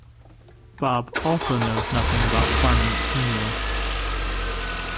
Bob also knows nothing about farming "emu".